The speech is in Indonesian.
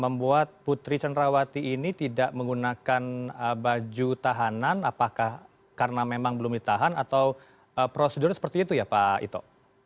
membuat putri cenrawati ini tidak menggunakan baju tahanan apakah karena memang belum ditahan atau prosedur seperti itu ya pak ito